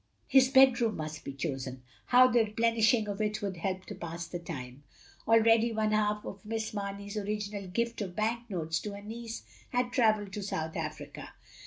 His bedroom must be chosen. How the plenish ing of it would help to pass the time. Already one half of Miss Mamey's original gift of bank notes to her niece had travelled to South Africa.